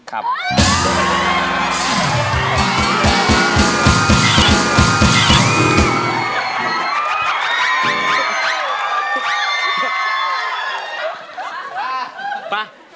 ครับมีแฟนเขาเรียกร้อง